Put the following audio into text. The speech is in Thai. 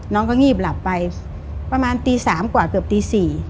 น้องก็งีบหลับไปประมาณตี๓กว่าเกือบตี๔